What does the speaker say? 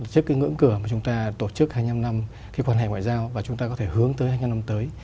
trước cái ngưỡng cửa mà chúng ta tổ chức hai mươi năm năm cái quan hệ ngoại giao và chúng ta có thể hướng tới hai mươi năm năm tới